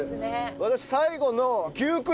私最後の。